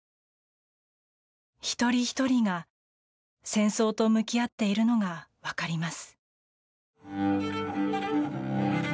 一人ひとりが戦争と向き合っているのが分かります。